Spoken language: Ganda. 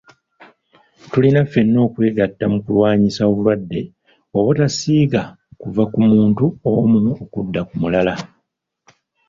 Tulina ffenna okwegatta mu kulwanyisa obulwadde obutasiiga kuva ku muntu omu okudda ku mulala.